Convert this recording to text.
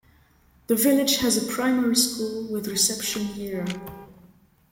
The village has a primary school with reception year.